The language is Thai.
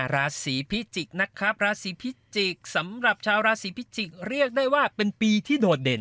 ราศีพิจิกษ์นะครับราศีพิจิกษ์สำหรับชาวราศีพิจิกษ์เรียกได้ว่าเป็นปีที่โดดเด่น